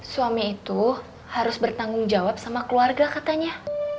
suami itu harus bertanggung jawab sama keluarga katanya